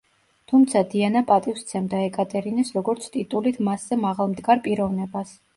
თუმცა დიანა პატივს სცემდა ეკატერინეს როგორც ტიტულით მასზე მაღლა მდგარ პიროვნებას.